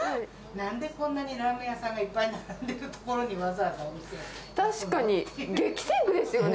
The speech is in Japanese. なんでこんなにラーメン屋さんがいっぱい並んでる所に、わざわざ確かに、激戦区ですよね。